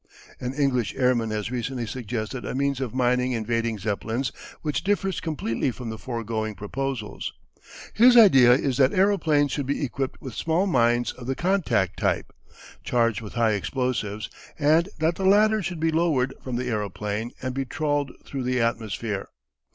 An English airman has recently suggested a means of mining invading Zeppelins which differs completely from the foregoing proposals. His idea is that aeroplanes should be equipped with small mines of the contact type, charged with high explosives, and that the latter should be lowered from the aeroplane and be trawled through the atmosphere.